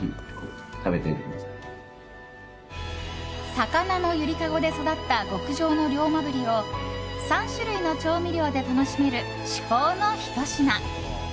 魚のゆりかごで育った極上の龍馬鰤を３種類の調味料で楽しめる至高のひと品。